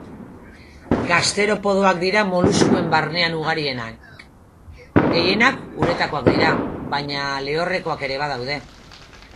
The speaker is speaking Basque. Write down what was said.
Gasteropodoak dira moluskuen barnean ugarienak. Gehienak uretakoak dira, baina lehorrekoak ere badaude.